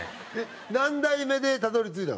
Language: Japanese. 何台目でたどり着いたの？